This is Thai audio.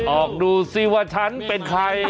ออกดูสิว่าฉันเป็นใคร